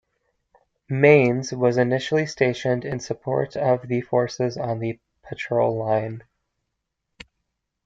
"Mainz" was initially stationed in support of the forces on the patrol line.